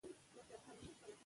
ځوابونه به وروسته ورکړل سي.